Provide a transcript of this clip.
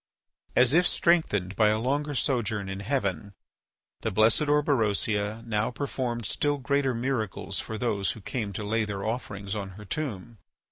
As if strengthened by a longer sojourn in heaven, the blessed Orberosia now performed still greater miracles for those who came to lay their offerings on her tomb.